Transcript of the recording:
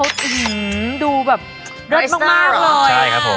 เดือดมาก